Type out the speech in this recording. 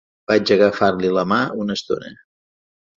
Vaig agafar-li la mà una estona.